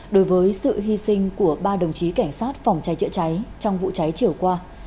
đối với sự hy sinh của ba đồng chí cảnh sát phòng cháy chữa cháy trong vụ cháy chiều qua